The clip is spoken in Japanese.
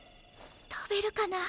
とべるかな？